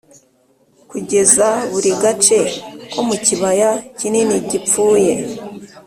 kugeza buri gace ko mu kibaya kinini gipfuye.